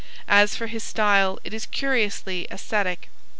As for his style, it is curiously ascetic.